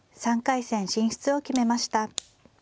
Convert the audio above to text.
３回戦進出を決めました。